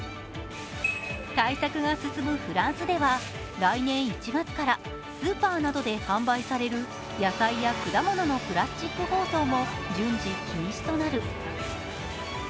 対策が進むフランスでは来年１月からスーパーなどで販売される野菜や果物のプラスチック包装も順次、禁止となる。